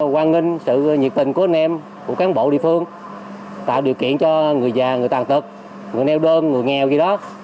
quang ninh sự nhiệt tình của anh em của cán bộ địa phương tạo điều kiện cho người già người tàn tật người neo đơn người nghèo gì đó